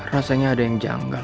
rasanya ada yang janggal